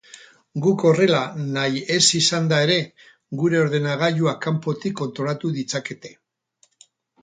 Guk horrela nahi ez izanda ere, gure ordenagailuak kanpotik kontrolatu ditzakete.